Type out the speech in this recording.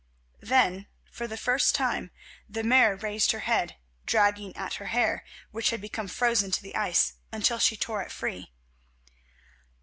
Then, for the first time, the Mare raised her head, dragging at her hair, which had become frozen to the ice, until she tore it free.